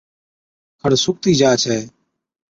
کڙ سُوڪتِي جا ڇَي،